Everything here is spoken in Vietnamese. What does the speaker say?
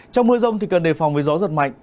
trong mưa rông thì cần đề phòng với gió giật mạnh